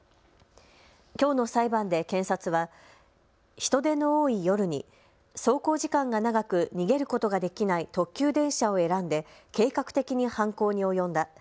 きょうの裁判で検察は人出の多い夜に走行時間が長く逃げることができない特急電車を選んで計画的に犯行に及んだ。